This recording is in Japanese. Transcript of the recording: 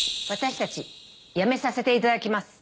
私たち辞めさせていただきます。